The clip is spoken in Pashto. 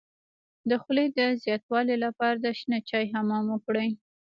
د خولې د زیاتوالي لپاره د شنه چای حمام وکړئ